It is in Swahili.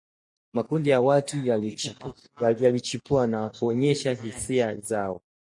Makundi ya watu yalichipua na kuonesha hisia zao